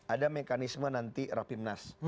ada mekanisme nanti raffi mnas